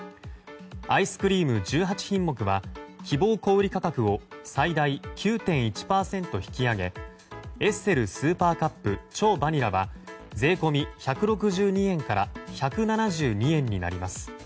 アイスクリーム１８品目は希望小売価格を最大９．１％引き上げエッセルスーパーカップ超バニラは税込み１６２円から１７２円になります。